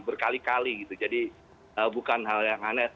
berkali kali gitu jadi bukan hal yang aneh